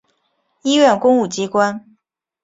医院公务机关